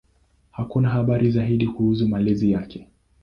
Hakuna habari zaidi kuhusu malezi yake.